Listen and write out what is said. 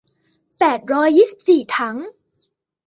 แปดร้อยยี่สิบสี่ถัง